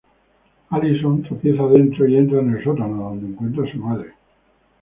Allyson tropieza dentro y entra en el sótano, donde encuentra a su madre.